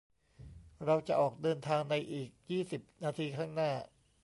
เราจะออกเดินทางในอีกยี่สิบนาทีข้างหน้า